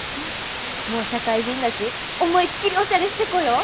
もう社会人だし思いっきりおしゃれして来よう！